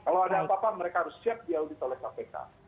kalau ada apa apa mereka harus siap diaudit oleh kpk